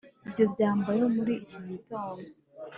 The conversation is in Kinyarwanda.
Ibyo byambayeho muri iki gitondo